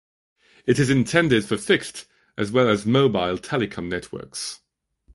It is intended for fixed as well as mobile telecom networks.